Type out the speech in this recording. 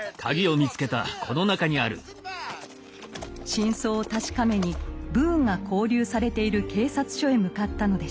真相を確かめにブーンが拘留されている警察署へ向かったのでした。